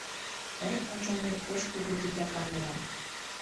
Тыйын ончылнет пеш кугу титакан улам.